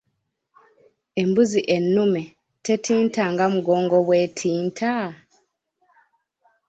Embuzi ennume tetinta nga mugongo Bw’entinta?